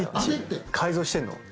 改造してんの？